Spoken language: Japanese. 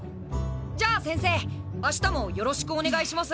じゃあ先生あしたもよろしくお願いします。